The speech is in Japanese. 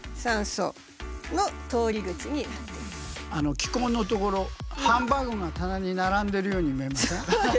気孔のところハンバーガーがたなに並んでるように見えません？